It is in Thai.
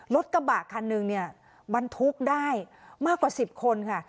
รถกระบะคันหนึ่งเนี่ยบรรทุกได้มากกว่า๑๐คนค่ะ